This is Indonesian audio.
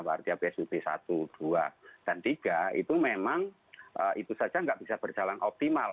artinya psbb satu dua dan tiga itu memang itu saja nggak bisa berjalan optimal